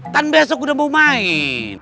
kan besok udah mau main